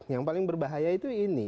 yang paling berbahaya itu ini